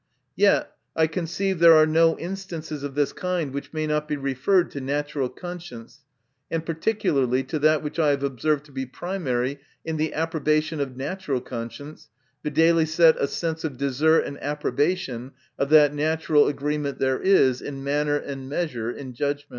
Yet I conceive there are no instances of this kind which may not be referred to natu ral conscience, and particularly to that which I have observed to be primary in the approbation of natural conscience, viz., a sense of desert and approbation oi that natural agreement there is, in manner and measure, in justice.